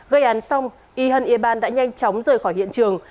gây án xong yhan eban đã nhanh chóng rời khỏi hiện trường